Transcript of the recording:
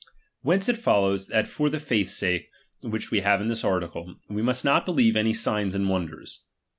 Whence it follows, that for the faith's sake which we have in this article, we must not believe any signs and wonders.